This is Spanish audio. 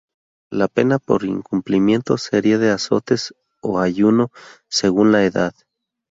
La pena por incumplimiento sería de azotes o ayuno, según la edad.